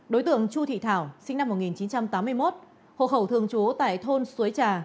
đối tượng chu thị thảo sinh năm một nghìn chín trăm tám mươi một hộ khẩu thường trú tại thôn suối trà